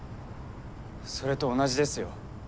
それと同じですよ。